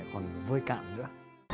còn vơi cạn nữa